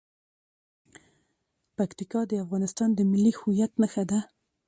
پکتیکا د افغانستان د ملي هویت نښه ده.